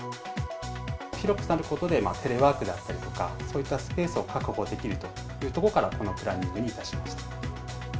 広くなることで、テレワークだったりとか、そういったスペースを確保できるというところから、このプランニングにいたしました。